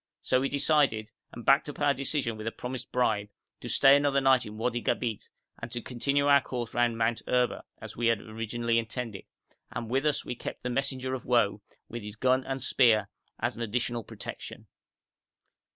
So we decided, and backed up our decision with a promised bribe, to stay another night in Wadi Gabeit, and to continue our course round Mount Erba, as we had originally intended, and with us we kept the messenger of woe with his gun and spear as an additional protection.